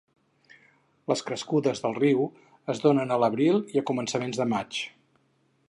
Les crescudes del riu es donen a l'abril i a començaments de maig.